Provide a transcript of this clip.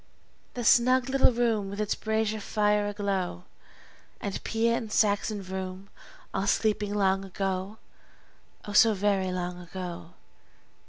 ........ The snug little room with its brazier fire aglow, And Piet and Sachs and Vroom all sleeping long ago, Oh, so very long ago!